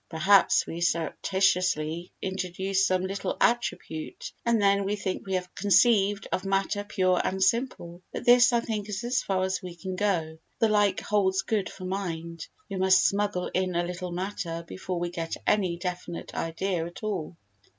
Perhaps we surreptitiously introduce some little attribute, and then we think we have conceived of matter pure and simple, but this I think is as far as we can go. The like holds good for mind: we must smuggle in a little matter before we get any definite idea at all.